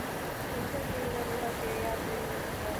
其名称是以义大利化学家亚佛加厥命名的。